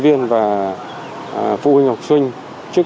sẽ diễn ra với hai đợt